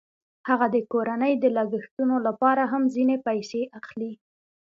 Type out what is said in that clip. هغه د کورنۍ د لګښتونو لپاره هم ځینې پیسې اخلي